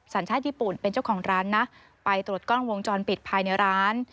สัญชาติญี่ปุ่นเป็นเจ้าของร้านนะไปตรวจกล้องวงจรปิดภายในร้าน